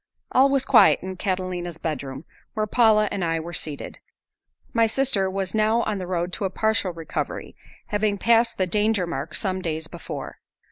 All was quiet in Catalina's bedroom, where Paula and I were seated. My sister was now on the road to a partial recovery, having passed the danger mark some days before.